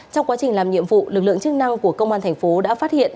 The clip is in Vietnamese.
trong quá trình làm nhiệm vụ lực lượng chức năng của công an thành phố đã phát hiện